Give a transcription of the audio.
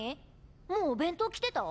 もうお弁当来てた？